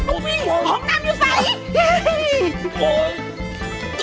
อุ๊ยห้องน้ำอยู่ใส